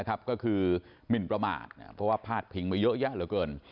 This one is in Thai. ก็คือหมินประมาทเพราะว่าพาดพิงมาเยอะแยะเหลือเกิน